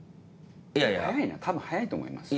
早いな多分早いと思いますよ。